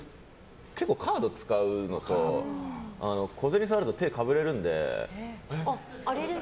結構カード使うのと小銭触ると手がかぶれるので。